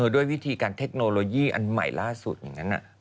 ด้วยวิธีการเทคโนโลยีอันใหม่ล่าสุดอย่างนั้น